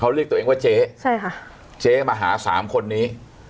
เขาเรียกตัวเองว่าเจ๊ใช่ค่ะเจ๊มาหาสามคนนี้